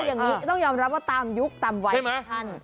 อย่างนี้ต้องยอมรับว่าตามยุคตามวัยของท่าน